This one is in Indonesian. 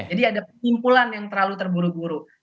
jadi ada penimpulan yang terlalu terburu buru